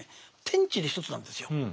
天地で一つなんですよ。